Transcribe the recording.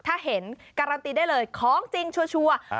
ถ้าเห็นการันตีได้เลยของจริงชัวร์